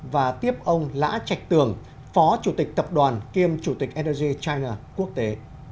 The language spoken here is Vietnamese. và tiếp ông lã trạch tường phó chủ tịch tập đoàn kiêm chủ tịch energy china quốc tế